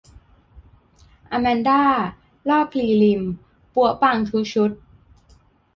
อแมนด้า รอบพรีลิม ปั๊วะปังทุกชุด